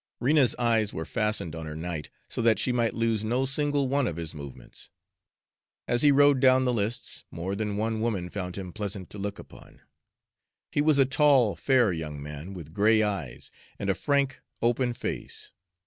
Rena's eyes were fastened on her knight, so that she might lose no single one of his movements. As he rode down the lists, more than one woman found him pleasant to look upon. He was a tall, fair young man, with gray eyes, and a frank, open face.